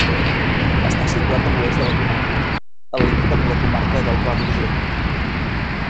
Està situat a l'oest de la comarca, al límit amb la comarca del Pla d'Urgell.